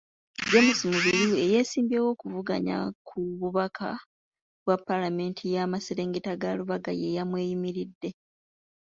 James Mubiru eyeesimbyewo okuvuganya ku bubaka bwa palamenti yamaserengeta ga Lubaga yeyamweyimiridde.